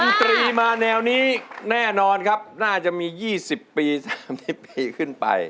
นตรีมาแนวนี้แน่นอนครับน่าจะมี๒๐ปี๓๐ปีขึ้นไป